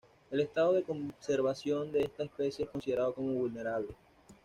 El estado de conservación de esta especie es considerado como vulnerable.